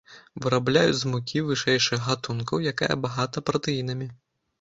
Вырабляюць з мукі вышэйшых гатункаў, якая багата пратэінамі.